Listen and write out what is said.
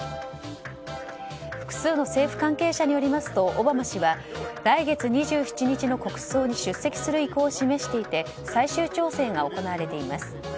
複数の政府関係者によりますとオバマ氏は来月２７日の国葬に出席する意向を示していて最終調整が行われています。